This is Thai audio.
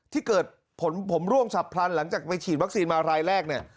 ที่เกิดผลผมร่วงฉับพลันหลังจากไปฉีดวัคซีนมารายแรกเนี่ย